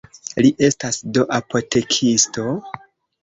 Li estas do apotekisto?